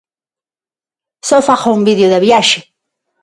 Só fago un vídeo da viaxe.